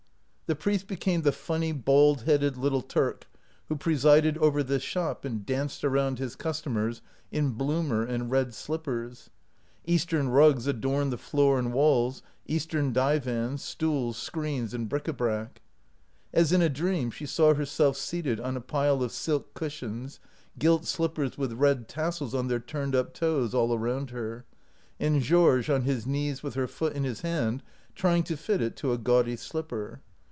The priest became the funny ball headed little Turk who presided over this shop and danced around his customers in bloomer and red slippers. Eastern rugs adorned the floor and walls, Eastern divans, stools, screens, and bric a brac. As in a dream she saw herself seated on a pile of silk cushions, gilt slippers with red tassels on their turned up toes all around her, and Georges on his knees with her foot in his hand trying to fit it to a gaudy slipper.